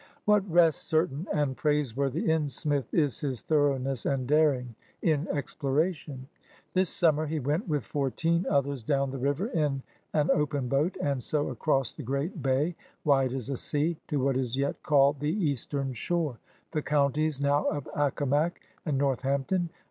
What rests certain and praiseworthy in Smith is his thoroughness and daring in exploration. This summer he went with fourteen others down the river in an open boat, and so across the great bay, wide as a sea, to what is yet called the East em Shore, the counties now of Accomac and Northampton.